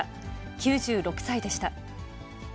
９６歳でした。